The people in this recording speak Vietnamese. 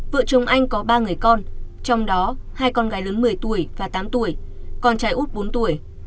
vợ chồng anh có ba người con trong đó hai con gái lớn một mươi tuổi và tám tuổi con trai út bốn tuổi